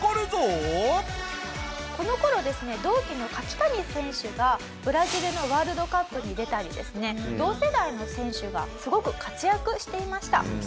この頃ですね同期の柿谷選手がブラジルのワールドカップに出たりですね同世代の選手がすごく活躍していました。